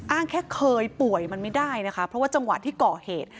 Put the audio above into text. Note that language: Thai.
อ้างแค่เคยป่วยมันไม่ได้นะคะเพราะว่าจังหวะที่ก่อเหตุ